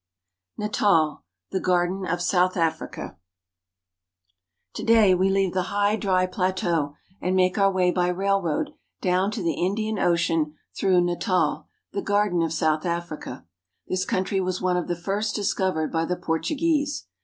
NATAL, THE GARDEN OF SOUTH AFRICA TO DAY we leave the high, dry plateau and make our way by railroad down to the Indian Ocean through Natal, the Garden of South Africa. This country was one of the first discovered by the Portuguese.